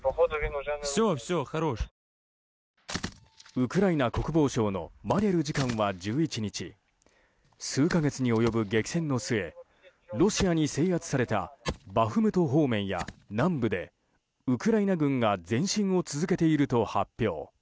ウクライナ国防省のマリャル次官は１１日数か月に及ぶ激戦の末ロシアに制圧されたバフムト方面や南部でウクライナ軍が前進を続けていると発表。